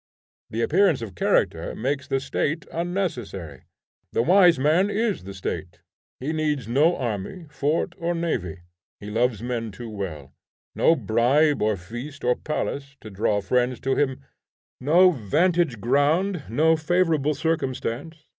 The appearance of character makes the State unnecessary. The wise man is the State. He needs no army, fort, or navy, he loves men too well; no bribe, or feast, or palace, to draw friends to him; no vantage ground, no favorable circumstance.